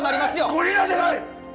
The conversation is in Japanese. ゴリラじゃない！